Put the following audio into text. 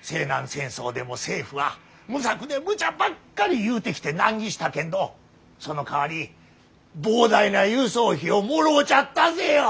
西南戦争でも政府は無策でむちゃばっかり言うてきて難儀したけんどそのかわり膨大な輸送費をもろうちゃったぜよ。